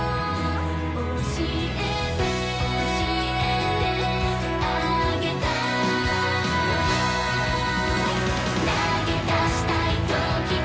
「教えてあげたい」「投げ出したい時こそ」